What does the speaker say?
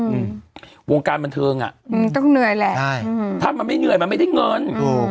อืมวงการบันเทิงอ่ะอืมต้องเหนื่อยแหละใช่อืมถ้ามันไม่เหนื่อยมันไม่ได้เงินถูก